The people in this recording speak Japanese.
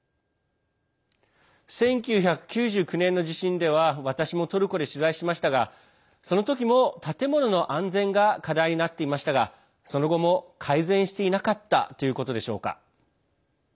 １９９９年の地震では私もトルコで取材しましたがその時も、建物の安全が課題になっていましたがその後も、改善していなかったということでしょうか。